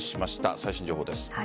最新情報です。